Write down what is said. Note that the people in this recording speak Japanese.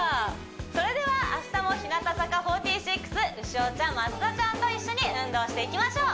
それでは明日も日向坂４６潮ちゃん松田ちゃんと一緒に運動していきましょう